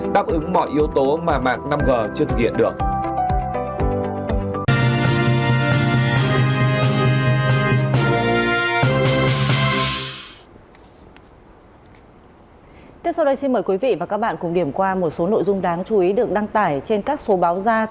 đáp ứng mọi yếu tố mà mạng năm g chưa thực hiện được